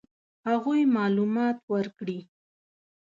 هغوی معلومات ورکړي.